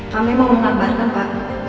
kami mau mengabarkan pak